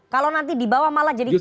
kalau nanti di bawah malah jadi